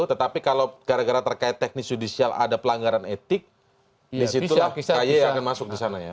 tetapi kalau gara gara terkait teknis judicial ada pelanggaran etik di situlah ky akan masuk ke sana ya